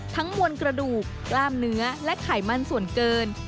มนต์กระดูกกล้ามเนื้อและไขมันส่วนเกิน